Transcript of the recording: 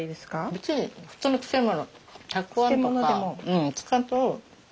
別に普通の漬物。